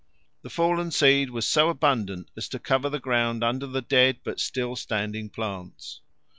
The fallen seed was so abundant as to cover the ground under the dead but still standing plants.